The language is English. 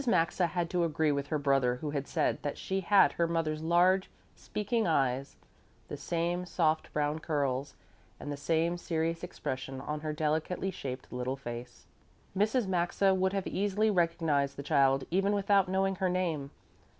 Maxa had to agree with her brother who had said that she had her mother's large, speaking eyes, the same soft brown curls, and the same serious expression on her delicately shaped little face. Mrs. Maxa would have easily recognized the child even without knowing her name.